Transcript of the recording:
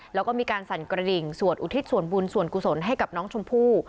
แล้วก็มีการสั่นกระดิ่งสวดอุทิศส่วนบุญส่วนกุศลให้กับน้องชมพู่